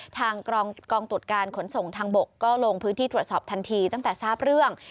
ทางกองตรวจการขนส่งทางบกก็ลงพื้นที่ตรวจสอบทันทีตั้งแต่ทราบเรื่อง